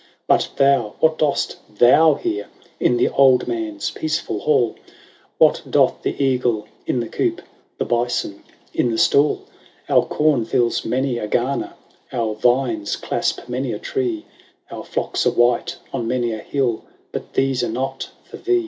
" But thou — what dost thou here S^V" In the old man's peaceful hall ? What doth the eagle in the coop, The bison in the stall ? Our corn fills many a garner ; Our vines clasp many a tree ; Our flocks are white on many a hill ; But these are not for thee.